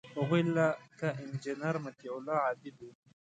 هغوی لکه انجینیر مطیع الله عابد وو.